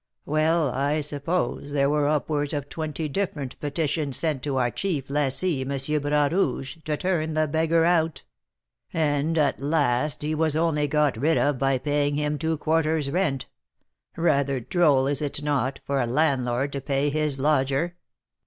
Well, I suppose there were upwards of twenty different petitions sent to our chief lessee, M. Bras Rouge, to turn the beggar out; and, at last, he was only got rid of by paying him two quarters' rent, rather droll, is it not, for a landlord to pay his lodger?